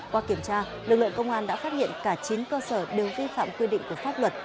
qua kiểm tra lực lượng công an đã phát hiện cả chín cơ sở đều vi phạm quy định của pháp luật